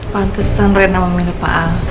pantesan reina memilih pak al